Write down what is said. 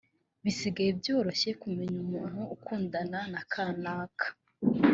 bisigaye byoroshye kumenya umuntu ukundana na kanaka